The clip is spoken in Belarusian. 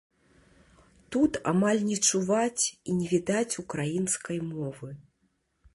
Тут амаль не чуваць і не відаць украінскай мовы.